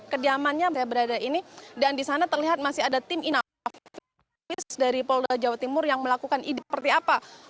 kediamannya saya berada ini dan di sana terlihat masih ada tim inavis dari polda jawa timur yang melakukan ide seperti apa